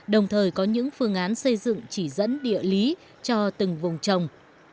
đồng thời có những phương án xây dựng chỉ dẫn địa lý cho từng vùng trồng